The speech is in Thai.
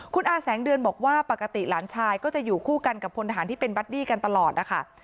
คุณอาแสงเดือนบอกว่าปกติหลานชายก็จะอยู่คู่กันกับพลทหารที่เป็นบัดดี้กันตลอดนะคะ